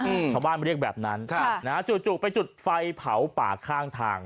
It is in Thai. อืมชาวบ้านเรียกแบบนั้นนะฮะจุดไปจุดไฟเผาปากข้างทาง